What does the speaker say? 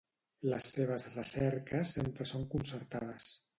Les seves recerques sempre són concertades.